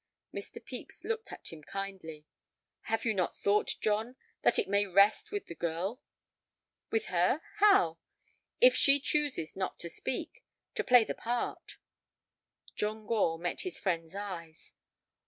Mr. Pepys looked at him kindly. "Have you not thought, John, that it may rest with the girl?" "With her—how?" "If she chooses not to speak, to play a part." John Gore met his friend's eyes.